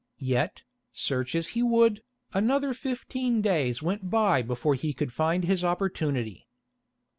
Yet, search as he would, another fifteen days went by before he could find his opportunity.